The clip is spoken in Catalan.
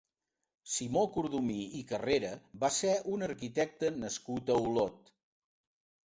Simó Cordomí i Carrera va ser un arquitecte nascut a Olot.